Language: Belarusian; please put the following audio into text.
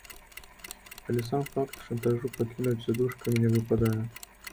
Але сам факт шантажу пакінуць за дужкамі не выпадае.